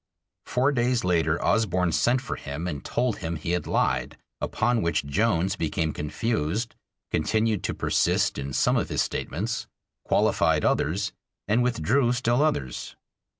Four days later Osborne sent for him and told him he had lied, upon which Jones became confused, continued to persist in some of his statements, qualified others and withdrew still others.